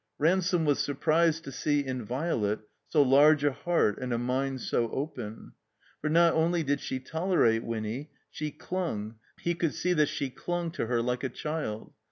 Ransome was stirprised to see in Violet so large a heart and a mind so open. For not only did she tolerate Winny, she dimg, he could see that she dimg, to her like a child.